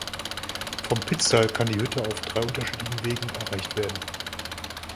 Vom Pitztal kann die Hütte auf drei unterschiedlichen Wegen erreicht werden.